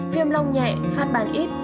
phim long nhẹ phát ban ít